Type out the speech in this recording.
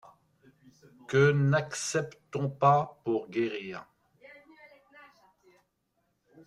Que n’accepte-t-on pas pour guérir?